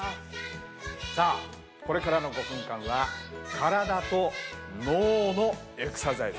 さあこれからの５分間は体と脳のエクササイズ。